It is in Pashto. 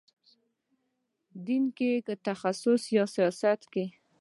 دین کې تخصص یا سیاست کې.